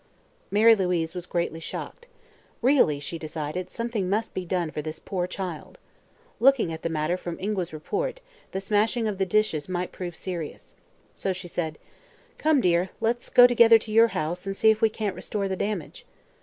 Mary Louise was greatly shocked. Really, she decided, something must be done for this poor child. Looking at the matter from Ingua's report, the smashing of the dishes might prove serious. So she said: "Come, dear, let's go together to your house and see if we can't restore the damage."